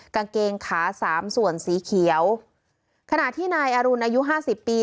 กางเกงขาสามส่วนสีเขียวขณะที่นายอรุณอายุห้าสิบปี